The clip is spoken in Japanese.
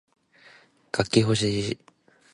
楽器ほしい